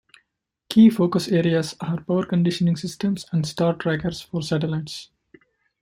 Key focus areas are power conditioning systems and star trackers for satellites.